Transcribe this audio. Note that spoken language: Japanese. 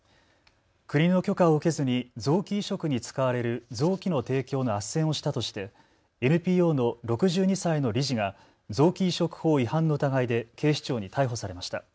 国の許可を受けずに臓器移植に使われる臓器の提供のあっせんをしたとしてＮＰＯの６２歳の理事が臓器移植法違反の疑いで警視庁に逮捕されました。